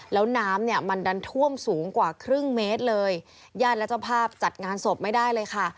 แล้วน้ำเนี่ยมันดันท่วมสูงกว่าครึ่งเมตรเลยญาติและเจ้าภาพจัดงานศพไม่ได้เลยค่ะ